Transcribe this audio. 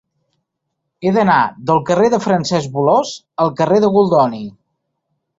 He d'anar del carrer de Francesc Bolòs al carrer de Goldoni.